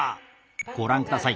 ご覧下さい。